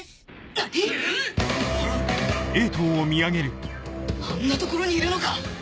何⁉ええっ⁉あんな所にいるのか！